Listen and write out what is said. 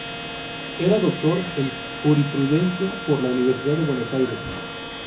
Era doctor en jurisprudencia por la Universidad de Buenos Aires.